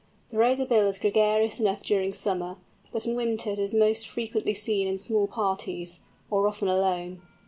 The Razorbill is gregarious enough during summer, but in winter it is most frequently seen in small parties, or often alone.